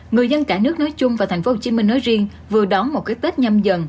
người dân cả nước nói chung và tp hcm nói riêng vừa đón một cái tết nhâm dần